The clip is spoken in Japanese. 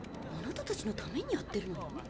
あなたたちのためにやってるのよ。